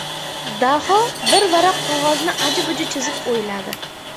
Daho bir varaq qog‘ozni aji-buji chizib o‘yladi.